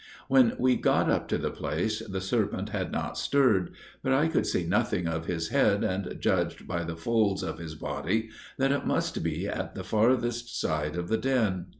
When we had got up to the place, the serpent had not stirred: but I could see nothing of his head, and judged by the folds of his body that it must be at the farthest side of the den.